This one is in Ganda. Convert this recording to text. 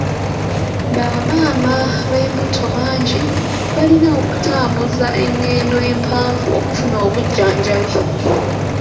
Bamaama b'embuto bangi balina okutambuza engendo empanvu okufuna obujjanjabi.